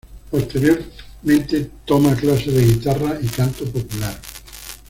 Posteriormente toma clases de guitarra y canto popular.